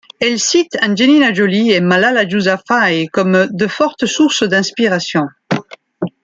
Elle cite Angelina Jolie et Malala Yousafzai comme de fortes sources d'inspiration.